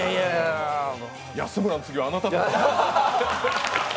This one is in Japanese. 安村の次はあなたです。